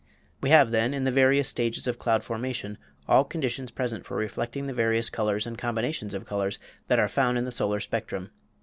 We have, then, in the various stages of cloud formation all conditions present for reflecting the various colors and combinations of colors that are found in the solar spectrum.